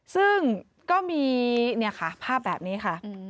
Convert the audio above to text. ซึ่งก็มีเนี่ยค่ะภาพแบบนี้ค่ะ